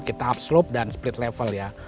kita upslope dan split level ya